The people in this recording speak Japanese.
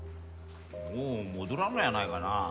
もう戻らんのやないかな。